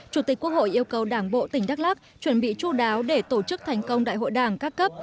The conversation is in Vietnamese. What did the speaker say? chủ tịch quốc hội yêu cầu đảng bộ tỉnh đắk lắc chuẩn bị chú đáo để tổ chức thành công đại hội đảng các cấp